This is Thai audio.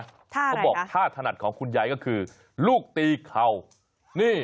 เขาบอกท่าถนัดของคุณยายก็คือลูกตีเข่านี่